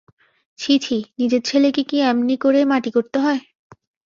ছি ছি, নিজের ছেলেকে কি এমনি করেই মাটি করতে হয়।